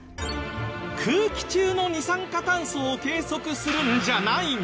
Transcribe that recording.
空気中の二酸化炭素を計測するんじゃないんです。